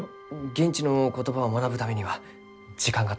現地の言葉を学ぶためには時間が足らんと。